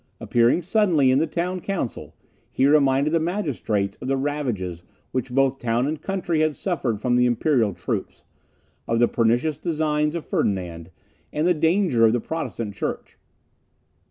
Appearing suddenly in the town council, he reminded the magistrates of the ravages which both town and country had suffered from the imperial troops, of the pernicious designs of Ferdinand, and the danger of the Protestant church.